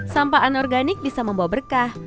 sampah anorganik bisa membawa berkah